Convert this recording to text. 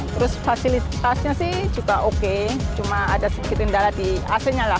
terus fasilitasnya sih juga oke cuma ada sedikit kendala di ac nya lah